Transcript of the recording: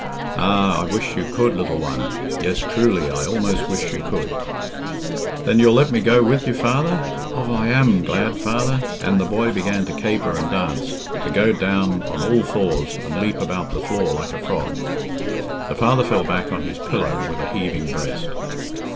"Ah! I wish you could, little one. Yes, truly I almost wish you could." "Then you'll let me go with you, father! Oh, I am glad, father." And the boy began to caper and dance, to go down on all fours, and leap about the floor like a frog. The father fell back on his pillow with a heaving breast.